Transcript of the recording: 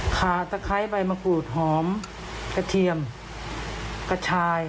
ตะไคร้ใบมะกรูดหอมกระเทียมกระชาย